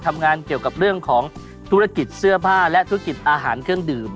ทำงานเกี่ยวกับเรื่องของธุรกิจเสื้อผ้าและธุรกิจอาหารเครื่องดื่ม